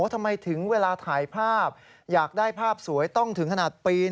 ทำไมถึงเวลาถ่ายภาพอยากได้ภาพสวยต้องถึงขนาดปีน